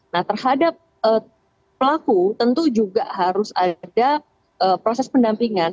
nah terhadap pelaku tentu juga harus ada proses pendampingan